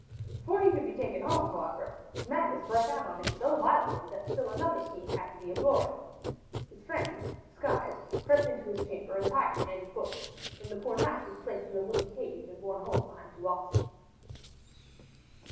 Before he could be taken home, however, his madness broke out on him so violently that still another scheme had to be employed. His friends, disguised, crept into his chamber and tied him hand and foot. Then the poor knight was placed in a wooden cage and borne home behind two oxen.